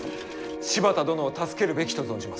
柴田殿を助けるべきと存じます。